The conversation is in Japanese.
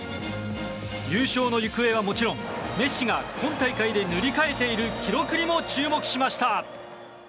優勝の行方はもちろんメッシが今大会で塗り替えている記録にも注目しました。